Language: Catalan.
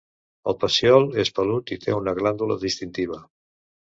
El pecíol és pelut i té una glàndula distintiva.